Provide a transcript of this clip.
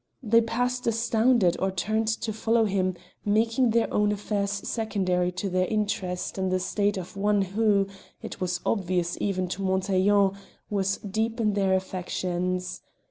They passed astounded or turned to follow him, making their own affairs secondary to their interest in the state of one who, it was obvious even to Montaiglon, was deep in their affections.